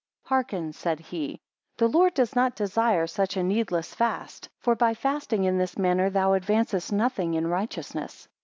4 Hearken, said he, The Lord does not desire such a needless fast; for by fasting in this manner, thou advancest nothing in righteousness.